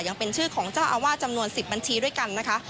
ยังเป็นชื่อของเจ้าอาวาสจำนวน๑๐บัญชีด้วยกันนะคะ